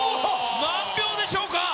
何秒でしょうか。